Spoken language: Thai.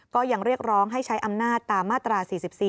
ก็ยังเรียกร้องให้ใช้อำนาจตามมาตรา๔๔